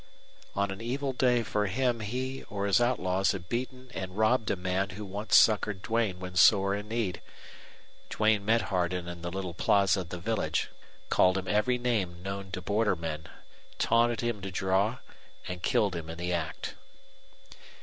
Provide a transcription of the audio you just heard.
On an evil day for him he or his outlaws had beaten and robbed a man who once succored Duane when sore in need. Duane met Hardin in the little plaza of the village, called him every name known to border men, taunted him to draw, and killed him in the act.